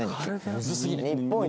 むずすぎない？